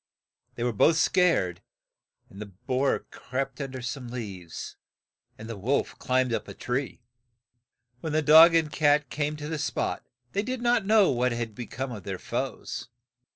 They were both scared, and the boar crept un der some leaves, and the wolf climbed up a tree. When the dog and the cat came to the spot, they did not know what had be come of their foes.